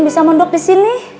bisa mendok disini